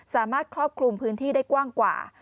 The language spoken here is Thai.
ครอบคลุมพื้นที่ได้กว้างกว่า